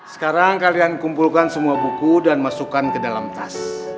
sekarang kalian kumpulkan semua buku dan masukkan ke dalam tas